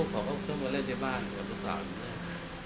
เพราะว่าแกเป็นคนที่บางน้องซ่านเขาอยู่ใกล้